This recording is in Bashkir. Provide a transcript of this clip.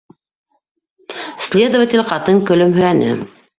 Следователь ҡатын көлөмһөрәне: